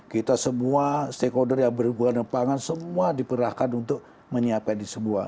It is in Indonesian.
kita semua stakeholder yang berhubungan dengan pangan semua diperahkan untuk menyiapkan ini semua